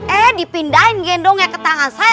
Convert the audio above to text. eh dipindahin gendongnya ke tangan saya